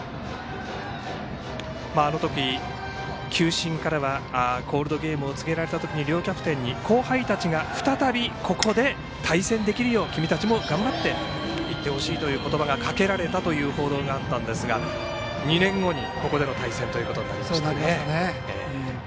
あの時、球審からはコールドゲームを告げられた時に両キャプテンに、後輩たちが再びここで対戦できるよう、君たちも頑張っていってほしいという言葉がかけられたという報道があったんですが２年後にここでの対戦となりました。